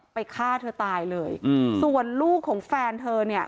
ฆ่าเธอตายเลยอืมส่วนลูกของแฟนเธอเนี่ย